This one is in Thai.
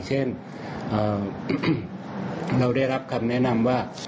เช่นเราได้รับคำแนะนำว่า